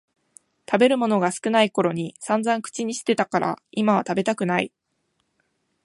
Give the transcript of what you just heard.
食べるものが少ないころにさんざん口にしてたから今は食べたくない